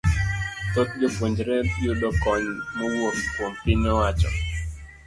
Thoth jopuonjrego yudo kony mowuok kuom piny owacho.